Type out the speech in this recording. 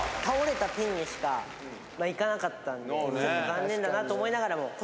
倒れたピンにしかいかなかったんで残念だなと思いながらも。